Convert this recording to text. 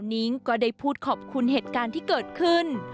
นิ้งก็ได้พูดขอบคุณเหตุการณ์ที่เกิดขึ้น